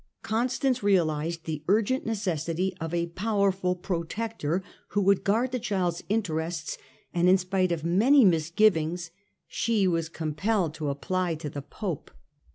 Constance realised the urgent necessity of a powerful protector who would guard the child's interests, and in spite of many misgivings, she was compelled to apply to the Pope.